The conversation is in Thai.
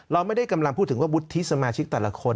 เราไม่ได้กำลังพูดถึงว่าวุฒิสมาชิกแต่ละคน